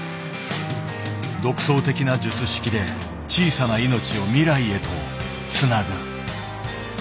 独創的な術式で小さな命を未来へとつなぐ。